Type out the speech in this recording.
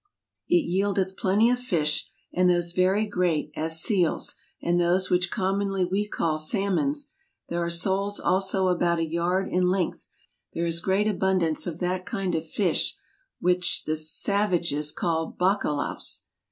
It yeeldeth plenty of fish, and those very great, as seales, and those which commonly we call salmons; there are soles also aboue a yard in length, but especially 33 34 TRAVELERS AND EXPLORERS there is great abundance of that kinde of fish which the Sauages call baccalaos.